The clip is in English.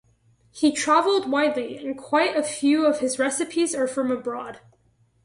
He travelled widely and quite a few of his recipes are from abroad.